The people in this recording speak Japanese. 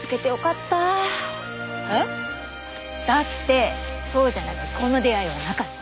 えっ？だってそうじゃなきゃこの出会いはなかった。